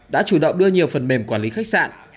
đã chủ động đưa nhiều phần mềm quản lý khách sạn